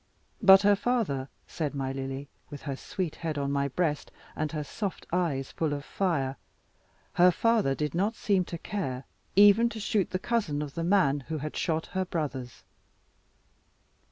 But her father, said my Lily, with her sweet head on my breast and her soft eyes full of fire, her father did not seem to care even to shoot the cousin of the man who had shot her brothers.